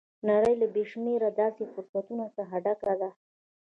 نړۍ له بې شمېره داسې فرصتونو څخه ډکه ده